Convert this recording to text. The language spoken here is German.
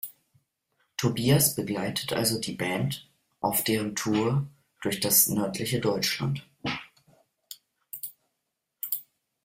Tobias begleitet also die Band auf deren Tour durch das nördliche Deutschland.